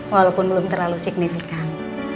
walaupun belum terlalu signifikan